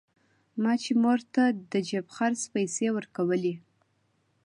ما چې مور ته د جيب خرڅ پيسې ورکولې.